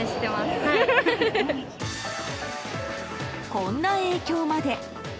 こんな影響まで。